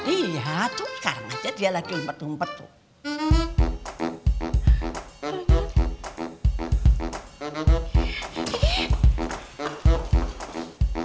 iya tuh sekarang aja dia lagi umpet umpet tuh